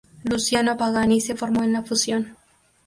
Luciano Pagani se formó en la fusión.